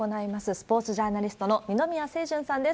スポーツジャーナリストの二宮清純さんです。